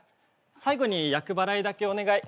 最後に厄払いだけお願い。